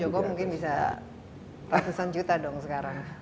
joko mungkin bisa ratusan juta dong sekarang